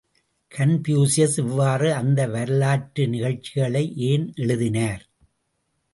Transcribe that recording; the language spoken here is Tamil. ◯ கன்பூசியஸ் இவ்வாறு அந்த வரலாற்று நிகழ்ச்சிகளை ஏன் எழுதினார்?